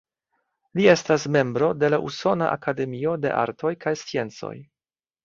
Li estas membro de la Usona Akademio de Artoj kaj Sciencoj.